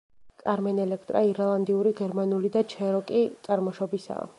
კარმენ ელექტრა ირლანდიური, გერმანული და ჩეროკი წარმოშობისაა.